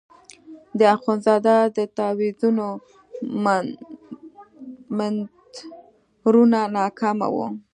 د اخندزاده د تاویزونو منترونه ناکامه وو.